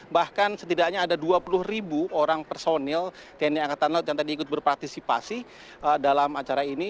bahkan setidaknya ada dua puluh ribu orang personil tni angkatan laut yang tadi ikut berpartisipasi dalam acara ini